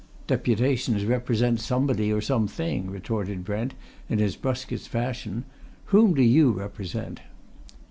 "Deputations represent somebody or something," retorted Brent, in his brusquest fashion. "Whom do you represent?"